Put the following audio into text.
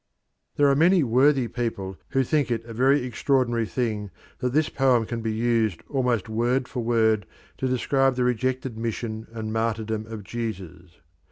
There are many worthy people who think it a very extraordinary thing that this poem can be used almost word for word to describe the rejected mission and martyrdom of Jesus.